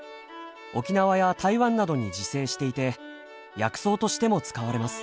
沖縄や台湾などに自生していて薬草としても使われます。